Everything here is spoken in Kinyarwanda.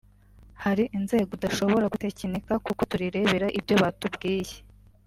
hari inzego udashobora gutekinika kuko turirebera ibyo batubwiye